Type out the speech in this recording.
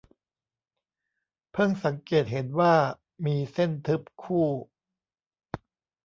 เพิ่งสังเกตเห็นว่ามีเส้นทึบคู่